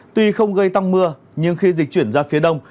tuy không gây tăng mưa nhưng khi dịch chuyển ra phía đông